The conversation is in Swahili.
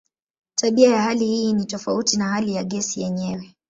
Tabia ya hali hii ni tofauti na hali ya gesi yenyewe.